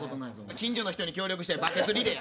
近所の人に協力してバケツリレーや。